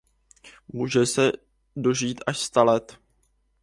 Může se dožít až sta let.